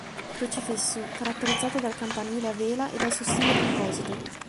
Crocifisso", caratterizzata dal campanile a vela e dal suo stile composito.